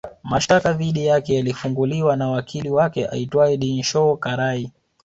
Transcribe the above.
Mashtaka dhidi yake yalifunguliwa na wakili wake aitwae Dinshaw Karai